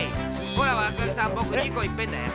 ほらワクワクさんぼく２こいっぺんだよ。